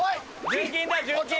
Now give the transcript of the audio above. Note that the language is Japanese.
純金だ純金。